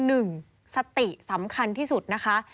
หนึ่งสติสำคัญที่สุดนะคะ